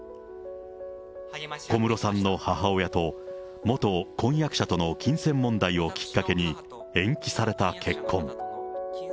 小室さんの母親と元婚約者との金銭問題をきっかけに、延期された結婚。